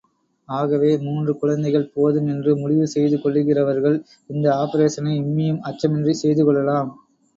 ஆகவே, மூன்று குழந்தைகள் போதும் என்று முடிவு செய்து கொள்ளுகிறவர்கள் இந்த ஆப்பரேஷனை இம்மியும் அச்சமின்றிக் செய்து கொள்ளலாம்.